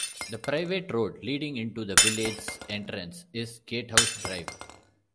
The private road leading into the village's entrance is Gatehouse Drive.